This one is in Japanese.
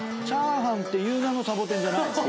チャーハンという名のサボテンじゃない？